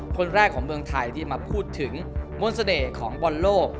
คนแรกของเมืองไทยที่มาพูดถึงมนต์เสน่ห์ของบอลโลก